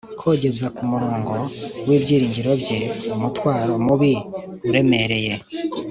kugeza kumurongo wibyiringiro bye umutwaro mubi uremereye